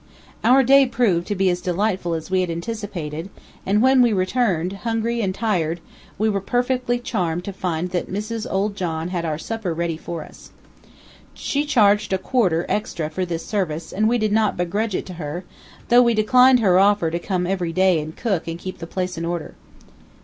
Our day proved to be as delightful as we had anticipated, and when we returned, hungry and tired, we were perfectly charmed to find that Mrs. Old John had our supper ready for us. She charged a quarter, extra, for this service, and we did not begrudge it to her, though we declined her offer to come every day and cook and keep the place in order.